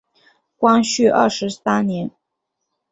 光绪二十三年。